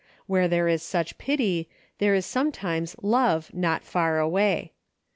AVhere there is such pity, there is sometimes love not far away.